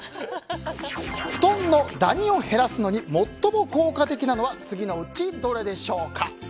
布団のダニを減らすのに最も効果的なのは次のうちどれでしょうか。